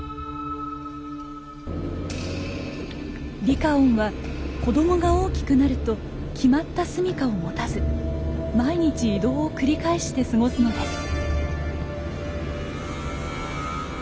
リカオンは子供が大きくなると決まった住みかを持たず毎日移動を繰り返して過ごすのです。